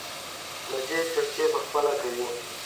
مزې چړچې په خپله کوي.